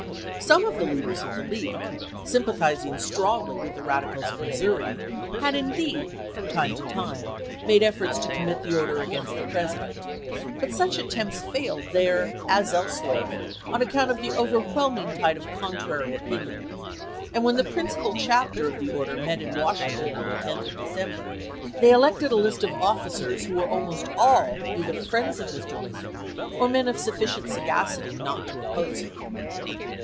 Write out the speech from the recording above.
Some of the leaders of the League, sym 316 ABRAHAM LINCOLN Chap. xn. pathizing strongly with the radicals of Missouri, had indeed from time to time made efforts to commit the order against the President ; but such attempts failed there, as elsewhere, on account of the over whelming tide of contrary opinion, and when the principal chapter of the order met in Washington 1863 on the 10th of December, they elected a list of offi cers who were almost all either friends of Mr. Lin coln or men of sufficient sagacity not to oppose him.